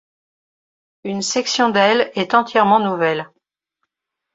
Une section d'aile est entièrement nouvelle.